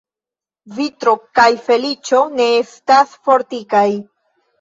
Vitro kaj feliĉo ne estas fortikaj.